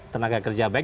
tenaga kerja baik